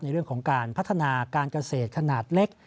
เรื่องของการพัฒนาการเกษตรขนาดเล็ก